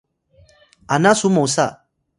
ana su mosa